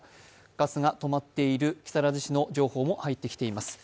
ガスが止まっている木更津市の情報も入ってきています。